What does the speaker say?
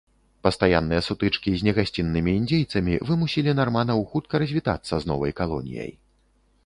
Пастаянныя сутычкі з негасціннымі індзейцамі вымусілі нарманаў хутка развітацца з новай калоніяй.